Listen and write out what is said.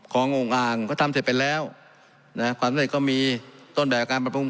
ขององค์อ่างก็ทำเสร็จไปแล้วนะฮะความสำเร็จก็มีต้นแบบการปรับปรุง